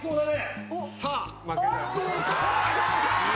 さあどうか！？